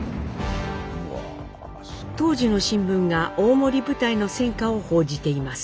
当時の新聞が大森部隊の戦果を報じています。